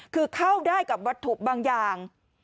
คือเข้าได้กับวัตถุบางอย่าง